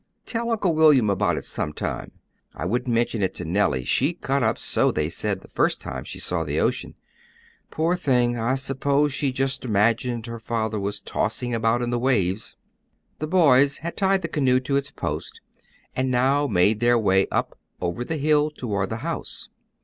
"Tell Uncle William about it sometime. I wouldn't mention it to Nellie, she cut up so, they said, the first time she saw the ocean. Poor thing! I suppose she just imagined her father was tossing about in the waves." The boys had tied the canoe to its post, and now made their way up over the hill toward the house.